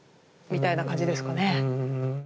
みたいな感じですかね。